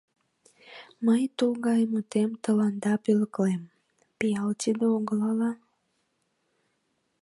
Мый тул гай мутем тыланда пӧлеклем — пиал тиде огыл ала?